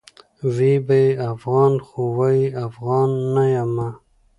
وي به افغان؛ خو وايي افغان نه یمه